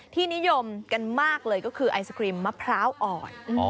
นิยมกันมากเลยก็คือไอศครีมมะพร้าวอ่อน